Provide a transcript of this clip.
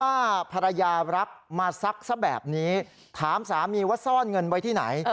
ว่าภรรยารักมาซักซะแบบนี้ถามสามีว่าซ่อนเงินไว้ที่ไหน